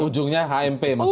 ujungnya hmp maksudnya